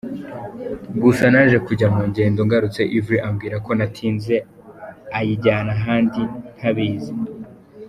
Gusa naje kujya mu ngendo ngarutse Yverry ambwira ko natinze ayijyana ahandi ntabizi.